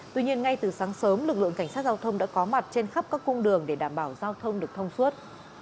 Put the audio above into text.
tuy nhiên ngay từ sáng sớm lực lượng cảnh sát giao thông đã có mặt trên khắp các cung đường để đảm bảo giao thông được thông suốt